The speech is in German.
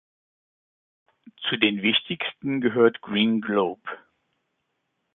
Zu den wichtigsten gehört Green Globe.